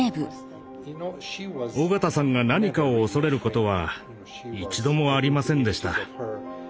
緒方さんが何かを恐れることは一度もありませんでした。